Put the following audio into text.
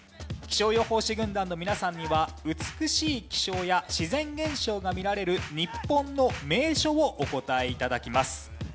気象予報士軍団の皆さんには美しい気象や自然現象が見られる日本の名所をお答え頂きます。